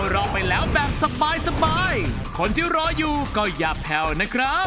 ได้อะไรอยากจะพูดกับกรรมครับ